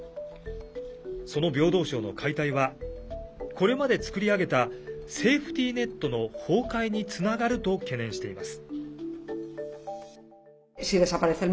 その平等省の解体はこれまで作り上げたセーフティネットの崩壊につながると懸念しています。